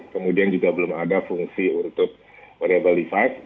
kemudian juga belum ada fungsi untuk variable device